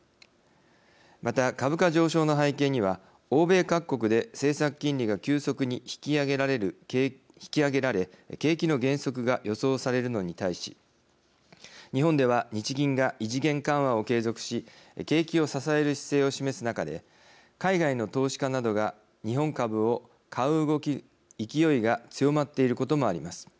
また、株価上昇の背景には欧米各国で政策金利が急速に引き上げられ景気の減速が予想されるのに対し日本では日銀が異次元緩和を継続し景気を支える姿勢を示す中で海外の投資家などが日本株を買う勢いが強まっていることもあります。